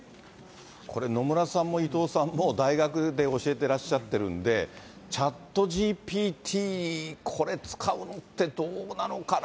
これ、野村さんも伊藤さんも大学で教えていらっしゃってるんで、チャットＧＰＴ、これ使うってどうなのかな。